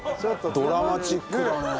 ドラマチックだね。